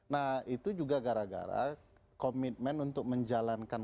nah itu juga gara gara komitmen untuk menjalankan